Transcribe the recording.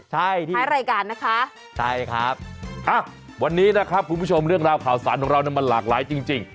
ใช่ที่ท้ายรายการนะคะใช่ครับวันนี้นะครับคุณผู้ชมเรื่องราวข่าวสารของเรามันหลากหลายจริง